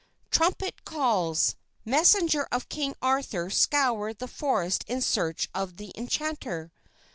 "Trumpet calls. Messengers of King Arthur scour the forest in search of the enchanter.